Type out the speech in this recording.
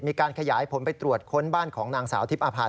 มีการขยายผลไปตรวจค้นบ้านของนางสาวทิพย์อาภา